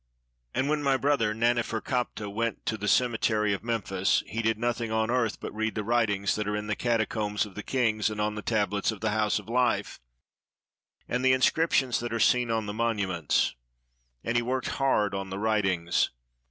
And when my brother Naneferkaptah went to the cemetery of Memphis, he did nothing on earth but read the writings that are in the catacombs of the kings and on the tablets of the "House of Life," and the inscriptions that are seen on the monuments, and he worked hard on the writings.